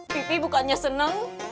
pipih bukannya seneng